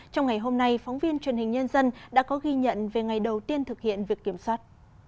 trong ngày hôm nay phóng viên truyền hình nhân dân đã có ghi nhận về ngày đầu tiên thực hiện việc kiểm soát